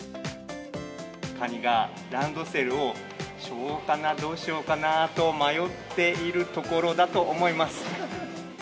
カニがランドセルを背負おうかな、どうしようかなと迷っているところだと思います。